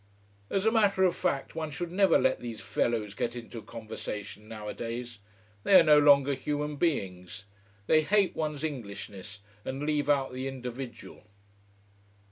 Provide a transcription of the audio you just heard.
As a matter of fact one should never let these fellows get into conversation nowadays. They are no longer human beings. They hate one's Englishness, and leave out the individual.